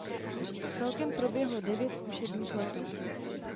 Celkem proběhlo devět zkušebních letů.